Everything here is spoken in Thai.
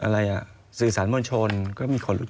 แล้วก็